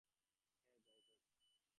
হ্যাঁ, যাইহোক।